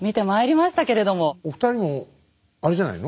お二人もあれじゃないの？